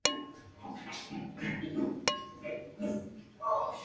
El diseño no incorpora provisiones para disparar desde el hombro izquierdo.